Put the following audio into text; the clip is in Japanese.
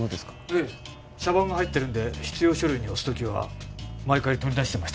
ええ社判が入ってるんで必要書類に押すときは毎回取り出してます